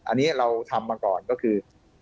อันนี้เราทำมาก่อนก็คือ